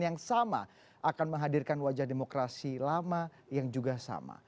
yang sama akan menghadirkan wajah demokrasi lama yang juga sama